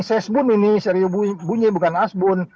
asesbun ini serius bunyi bukan asbun